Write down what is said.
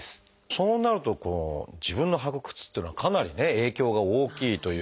そうなると自分の履く靴っていうのはかなりね影響が大きいという。